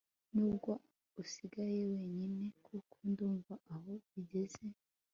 nubwo usigaye wenyine kuko ndumva aho bigeze